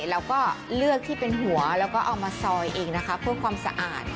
แล้วก็เลือกที่เป็นหัวแล้วก็เอามาซอยเองนะคะเพื่อความสะอาด